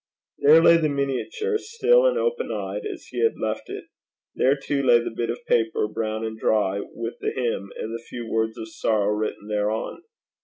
There lay the miniature, still and open eyed as he had left it. There too lay the bit of paper, brown and dry, with the hymn and the few words of sorrow written thereon.